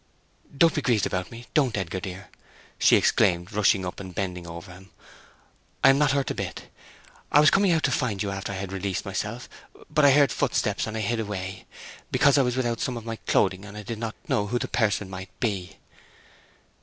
"Don't be grieved about me—don't, dear Edgar!" she exclaimed, rushing up and bending over him. "I am not hurt a bit! I was coming on to find you after I had released myself, but I heard footsteps; and I hid away, because I was without some of my clothing, and I did not know who the person might be."